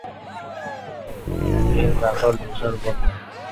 এর বাকল ধূসর বর্ণ।